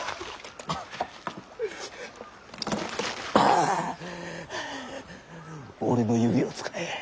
ああはあ俺の指を使え。